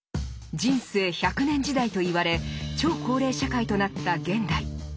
人生１００年時代といわれ超高齢社会となった現代。